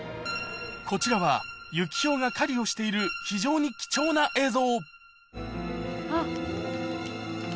こちらはユキヒョウが狩りをしている非常に貴重な映像。